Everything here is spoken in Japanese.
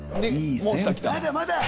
まだまだ。